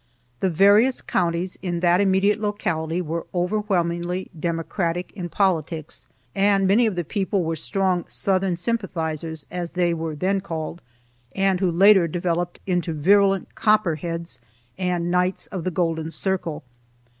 The various counties in that immediate locality were overwhelmingly Democratic in politics, and many of the people were strong "Southern sympathizers," as they were then called, and who later developed into virulent Copperheads and Knights of the Golden Circle.